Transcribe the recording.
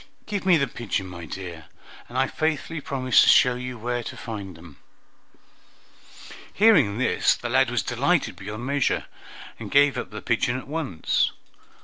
Give me the pigeon, my dear, and I faithfully promise to show you where to find them." Hearing this, the lad was delighted beyond measure, and gave up the pigeon at once.